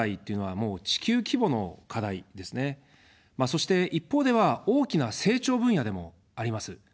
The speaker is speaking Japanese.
そして、一方では大きな成長分野でもあります。